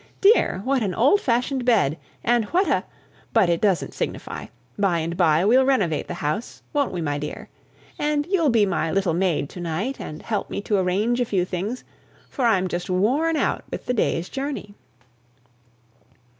Dear! what an old fashioned bed! And what a But it doesn't signify. By and by we'll renovate the house won't we, my dear? And you'll be my little maid to night, and help me to arrange a few things, for I'm just worn out with the day's journey."